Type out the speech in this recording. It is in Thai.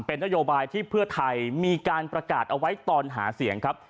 เป็นนโยบายที่เพื่อไทยมีการประกาศเอาไว้ตอนหาเสียงครับ